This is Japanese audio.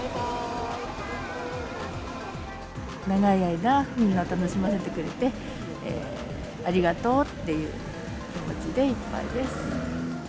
長い間、みんなを楽しませてくれてありがとうっていう気持ちでいっぱいです。